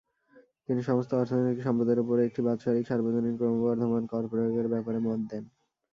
তিনি সমস্ত অর্থনৈতিক সম্পদের উপর একটি বাৎসরিক সার্বজনীন ক্রমবর্ধমান কর প্রয়োগের ব্যাপারে মত দেন।